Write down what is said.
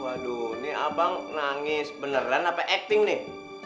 waduh ini abang nangis beneran apa acting nih